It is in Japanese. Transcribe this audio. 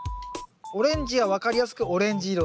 オレンジは分かりやすくオレンジ色。